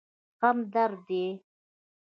غم درد دی.